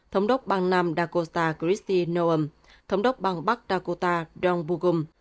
thống đốc bang nam dakota kristi noem thống đốc bang bắc dakota don boogum